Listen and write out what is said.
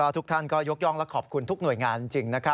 แล้วก็ทุกท่านก็ยกย่องและขอบคุณทุกหน่วยงานจริงนะคะ